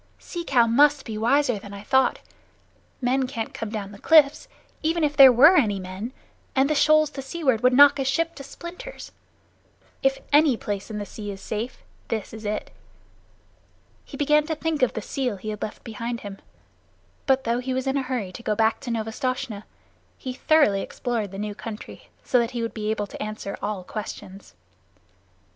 "Sea Cow must be wiser than I thought. Men can't come down the cliffs, even if there were any men; and the shoals to seaward would knock a ship to splinters. If any place in the sea is safe, this is it." He began to think of the seal he had left behind him, but though he was in a hurry to go back to Novastoshnah, he thoroughly explored the new country, so that he would be able to answer all questions.